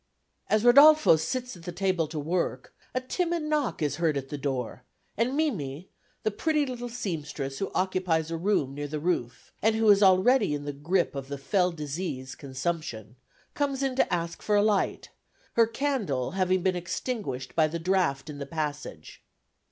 As Rodolfo sits at the table to work, a timid knock is heard at the door, and Mimi, the pretty little seamstress who occupies a room near the roof, and who is already in the grip of the fell disease, consumption, comes in to ask for a light, her candle having been extinguished by the draught in the passage.